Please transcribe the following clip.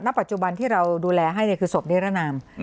ปัจจุบันที่เราดูแลให้คือศพนิรนาม